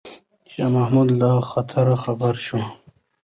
شاه محمود له خطره خبر شو.